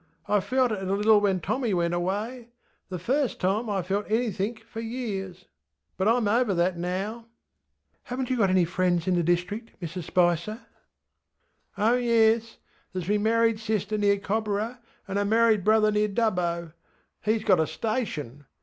I felt it a little when Tommy went awayŌĆöthe first time I felt anythink for years. But IŌĆÖm over that now. ŌĆÖ ŌĆśHavenŌĆÖt you got any friends in the district, Mrs Spicer? ŌĆÖ ŌĆśOh yes. ThereŌĆÖs me married sister near Cobborah, and a married brother near Dubbo; heŌĆÖs got a station.